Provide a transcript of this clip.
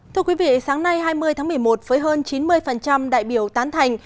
thưa quý vị sáng nay hai mươi tháng một mươi một với hơn chín mươi đại biểu tán thành